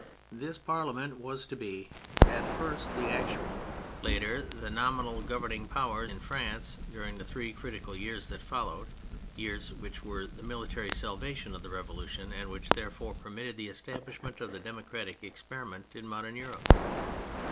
This Parliament was to be at first the actual, later the nominal governing power in France during the three critical years that followed; years which were the military salvation of the Revolution, and which therefore permitted the establishment of the democratic experi ment in modern Europe.